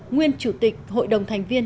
nguyên chủ tịch hội đồng thành viên